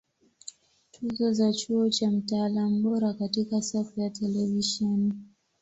Tuzo za Chuo cha Mtaalam Bora Katika safu ya Televisheni